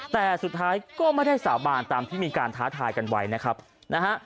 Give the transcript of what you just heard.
แต่สุดท้ายก็ไม่ได้สาบานตามที่มีการท้าทายกันไว้นะครับนะฮะ